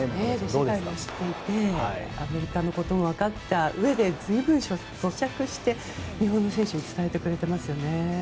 フィジカルもしっかりしていてアメリカのことも分かったうえで随分咀嚼して日本の選手に伝えてくれていますね。